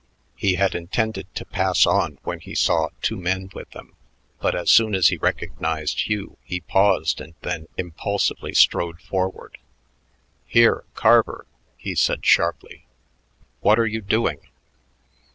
He had intended to pass on when he saw two men with them, but as soon as he recognized Hugh he paused and then impulsively strode forward. "Here, Carver," he said sharply. "What are you doing?"